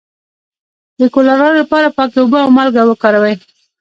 د کولرا لپاره پاکې اوبه او مالګه وکاروئ